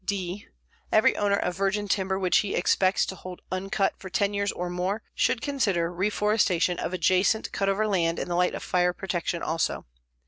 (d) Every owner of virgin timber which he expects to hold uncut for 10 years or more should consider reforestation of adjacent cut over land in the light of fire protection also.